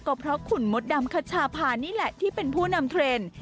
ก็เพราะคุณมดดำคัชชาพานี่แหละที่เป็นผู้นำเทรนด์